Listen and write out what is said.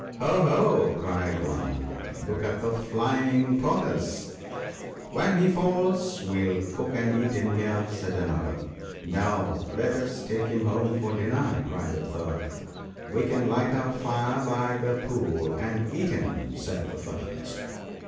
" Ho ! ho !" cried one, "look at the flying Tortoise !" "When he falls we'll cook and eat him here," said another. " No ; let us take him home for dinner !" cried a third. " We can light a fire by the pool, and eat him," said the first.